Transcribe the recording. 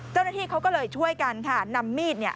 เจ้าหน้าที่เขาก็เลยช่วยกันค่ะนำมีดเนี่ย